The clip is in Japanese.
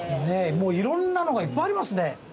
もういろんなのがいっぱいありますね。